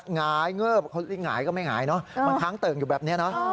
หงายเงิบเขาหงายก็ไม่หงายเนอะมันค้างเติ่งอยู่แบบนี้เนอะ